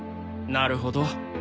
なるほど。